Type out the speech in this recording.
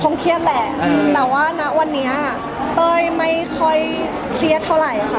เครียดแหละแต่ว่าณวันนี้เต้ยไม่ค่อยเครียดเท่าไหร่ค่ะ